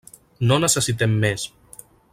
No necessitem més.